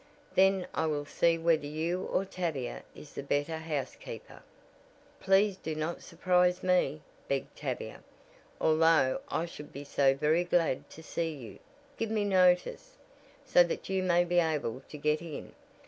Then I will see whether you or Tavia is the better housekeeper." "Please do not surprise me," begged Tavia, "although I should be so very glad to see you give me notice, so that you may be able to get in.